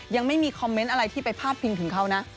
ยังไม่มีคอมเมนต์อะไรที่ไปพาดพิงถึงเขานะ